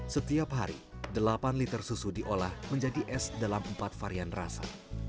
setiap hari delapan liter susu diolah menjadi es dalam empat varian rasa